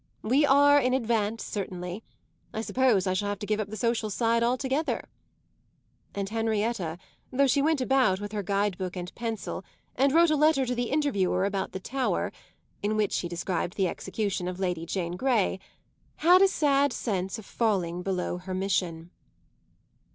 We are in advance, certainly. I suppose I shall have to give up the social side altogether;" and Henrietta, though she went about with her guidebook and pencil and wrote a letter to the Interviewer about the Tower (in which she described the execution of Lady Jane Grey), had a sad sense of falling below her mission.